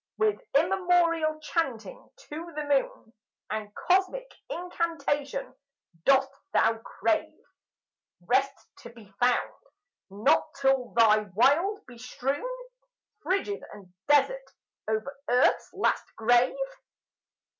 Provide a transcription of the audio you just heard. With immemorial chanting to the moon, And cosmic incantation, dost thou crave Rest to be found not till thy wild be strewn Frigid and desert over earth's last grave?